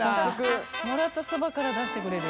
もらったそばから出してくれる。